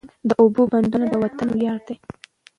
د اوبو بندونه د وطن ویاړ دی.